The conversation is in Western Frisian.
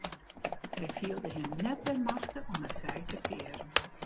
Hy fielde him net by machte om it tij te kearen.